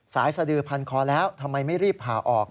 สายสดือพันคอแล้วทำไมไม่รีบผ่าออก